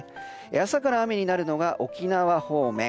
朝から雨になるのが沖縄方面。